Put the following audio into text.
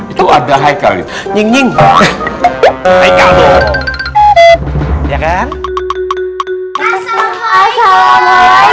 itu ada haikal nyeng nyeng haikal ya kan assalamualaikum waalaikumsalam